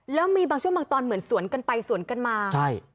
แล้วมีบางช่วงบางตอนเหมือนสวนกันไปสวนกันมาใช่